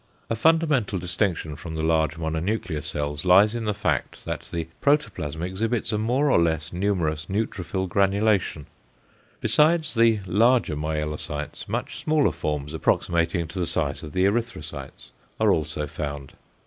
A fundamental distinction from the large mononuclear cells lies in the fact that the protoplasm exhibits a more or less numerous neutrophil granulation. Besides the larger myelocytes, much smaller forms, approximating to the size of the erythrocytes are also found.